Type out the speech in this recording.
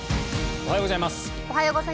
おはようございます。